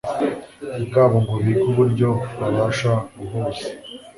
bwabo ngo bige uburyo babasha guhuza